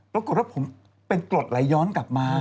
แล้วก็ผมเป็นกรดย้อนกลับมา